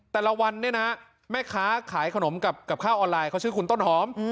แต่ละวันเนี่ยนะแม่ค้าขายขนมกับข้าวออนไลน์เขาชื่อคุณต้นหอม